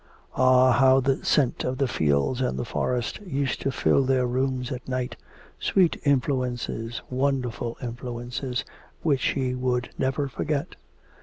Ah, how the scent of the fields and the forest used to fill their rooms at night, sweet influences, wonderful influences, which she would never forget....